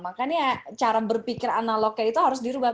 makanya cara berpikir analognya itu harus dirubah